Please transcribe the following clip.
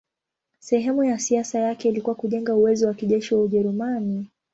Sehemu ya siasa yake ilikuwa kujenga uwezo wa kijeshi wa Ujerumani.